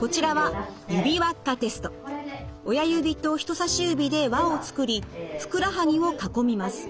こちらは親指と人さし指で輪を作りふくらはぎを囲みます。